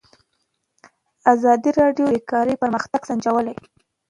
ازادي راډیو د بیکاري پرمختګ سنجولی.